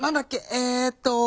えっと。